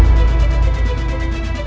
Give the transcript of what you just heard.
ibu ada tulisan